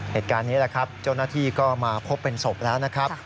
เหตุการณ์นี้แหละครับเจ้าหน้าที่ก็มาพบเป็นศพแล้วนะครับ